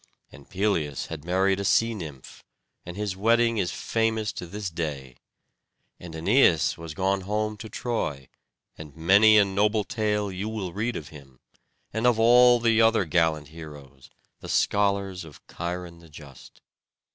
And Peleus had married a sea nymph, and his wedding is famous to this day. And Æneas was gone home to Troy, and many a noble tale you will read of him, and of all the other gallant heroes, the scholars of Cheiron the just.